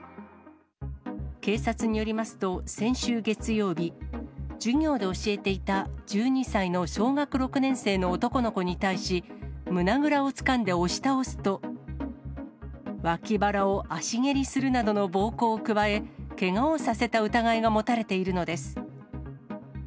警察によりますと先週月曜日、授業で教えていた１２歳の小学６年生の男の子に対し、胸倉をつかんで押し倒すと、脇腹を足蹴りするなどの暴行を加え、けがをさせた疑いが持たれているのです。